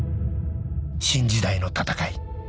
新時代の戦い。